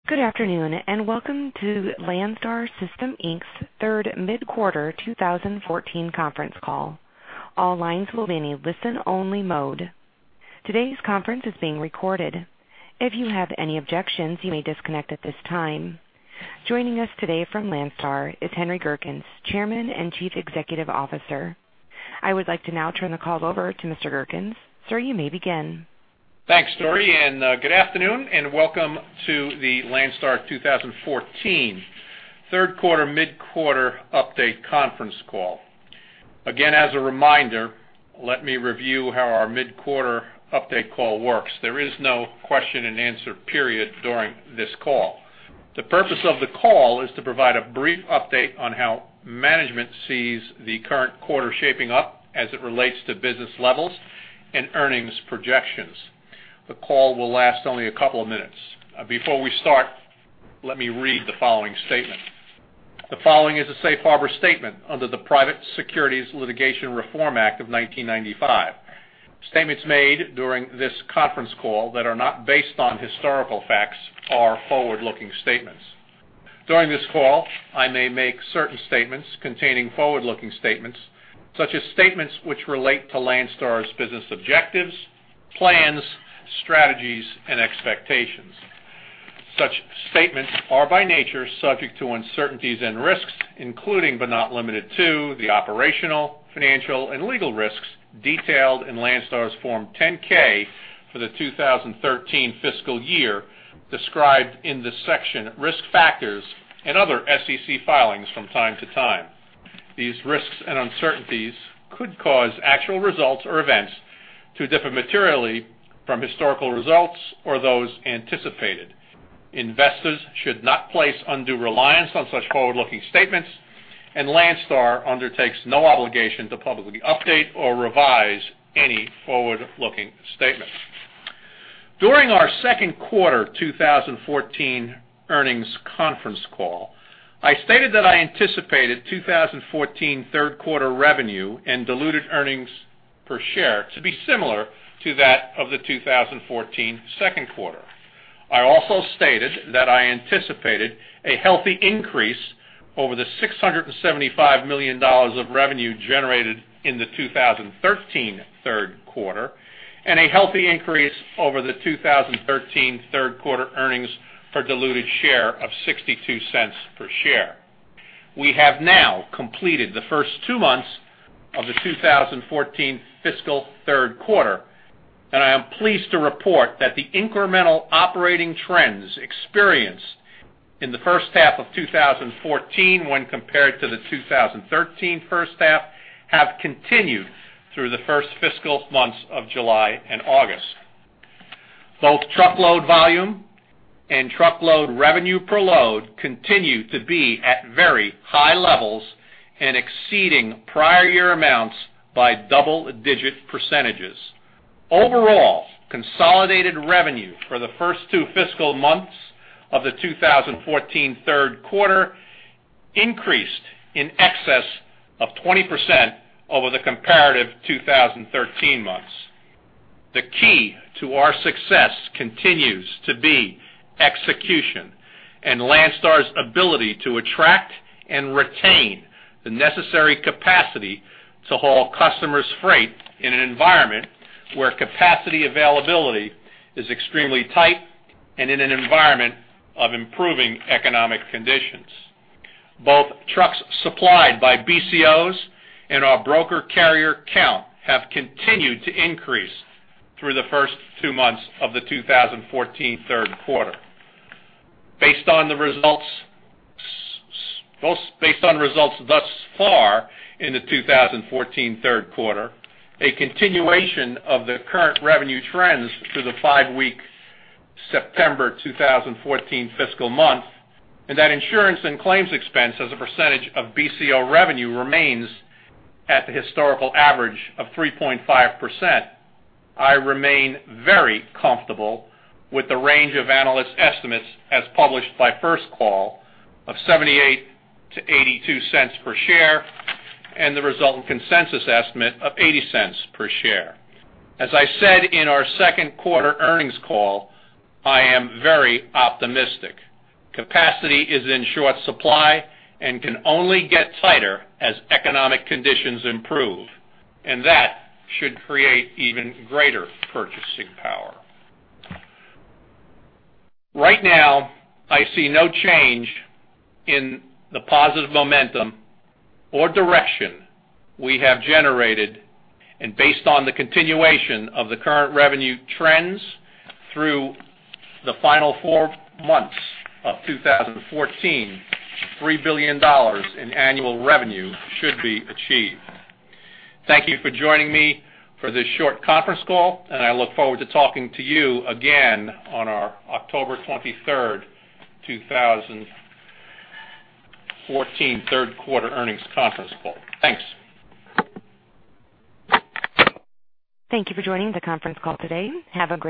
Good afternoon and welcome to Landstar System, Inc's third mid-quarter 2014 conference call. All lines will be in a listen-only mode. Today's conference is being recorded. If you have any objections, you may disconnect at this time. Joining us today from Landstar is Henry Gerkens, Chairman and Chief Executive Officer. I would like to now turn the call over to Mr. Gerkens. Sir, you may begin. Thanks, Dori, and good afternoon, and welcome to the Landstar 2014 third-quarter mid-quarter update conference call. Again, as a reminder, let me review how our mid-quarter update call works. There is no question-and-answer period during this call. The purpose of the call is to provide a brief update on how management sees the current quarter shaping up as it relates to business levels and earnings projections. The call will last only a couple of minutes. Before we start, let me read the following statement. The following is a safe harbor statement under the Private Securities Litigation Reform Act of 1995. Statements made during this conference call that are not based on historical facts are forward-looking statements. During this call, I may make certain statements containing forward-looking statements, such as statements which relate to Landstar's business objectives, plans, strategies, and expectations. Such statements are by nature subject to uncertainties and risks, including but not limited to the operational, financial, and legal risks detailed in Landstar's Form 10-K for the 2013 fiscal year, described in the section Risk Factors and other SEC filings from time to time. These risks and uncertainties could cause actual results or events to differ materially from historical results or those anticipated. Investors should not place undue reliance on such forward-looking statements, and Landstar undertakes no obligation to publicly update or revise any forward-looking statements. During our second quarter 2014 earnings conference call, I stated that I anticipated 2014 third-quarter revenue and diluted earnings per share to be similar to that of the 2014 second quarter. I also stated that I anticipated a healthy increase over the $675 million of revenue generated in the 2013 third quarter and a healthy increase over the 2013 third quarter earnings for a diluted share of $0.62 per share. We have now completed the first two months of the 2014 fiscal third quarter, and I am pleased to report that the incremental operating trends experienced in the first half of 2014 when compared to the 2013 first half have continued through the first fiscal months of July and August. Both truckload volume and truckload revenue per load continue to be at very high levels and exceeding prior year amounts by double-digit percentages. Overall, consolidated revenue for the first two fiscal months of the 2014 third quarter increased in excess of 20% over the comparative 2013 months. The key to our success continues to be execution and Landstar's ability to attract and retain the necessary capacity to haul customers' freight in an environment where capacity availability is extremely tight and in an environment of improving economic conditions. Both trucks supplied by BCOs and our broker carrier count have continued to increase through the first two months of the 2014 third quarter. Based on the results thus far in the 2014 third quarter, a continuation of the current revenue trends through the five-week September 2014 fiscal month, and that insurance and claims expense as a percentage of BCO revenue remains at the historical average of 3.5%, I remain very comfortable with the range of analysts' estimates as published by First Call of $0.78-$0.82 per share and the resultant consensus estimate of $0.80 per share. As I said in our second quarter earnings call, I am very optimistic. Capacity is in short supply and can only get tighter as economic conditions improve, and that should create even greater purchasing power. Right now, I see no change in the positive momentum or direction we have generated, and based on the continuation of the current revenue trends through the final four months of 2014, $3 billion in annual revenue should be achieved. Thank you for joining me for this short conference call, and I look forward to talking to you again on our October 23rd, 2014 third quarter earnings conference call. Thanks. Thank you for joining the conference call today. Have a good.